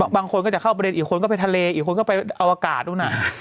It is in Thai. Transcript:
บางคนก็จะเข้าประเด็นอีกคนก็ไปทะเลอีกคนก็ไปอวกาศนู้นน่ะ